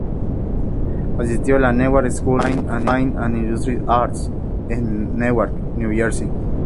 Asistió a la "Newark School of Fine and Industrial Arts" en Newark, Nueva Jersey.